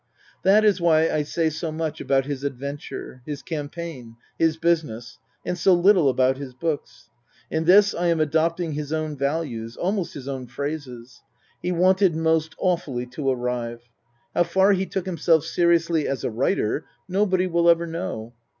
That is why I say so much about his adventure, his campaign, his business, and so little about his books. In this I am adopting his own values, almost his own phrases. He wanted most awfully to arrive. How far he took himself seriously as a writer nobody will ever know.